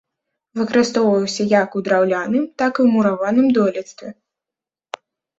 Выкарыстоўваўся як у драўляным, так і ў мураваным дойлідстве.